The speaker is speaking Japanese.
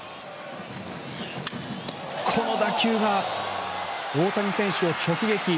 この打球が大谷選手を直撃。